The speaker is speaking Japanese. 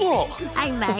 バイバイ！